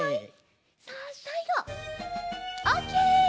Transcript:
さあさいごオッケー！